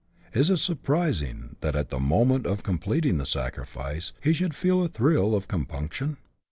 Is it surprising that, at the moment of com pleting the sacrifice, he should feel a thrill of compunction